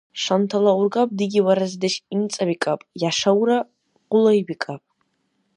Шантала ургаб диги ва разидеш имцӀабикӀаб, яшавра къулайбикӀаб.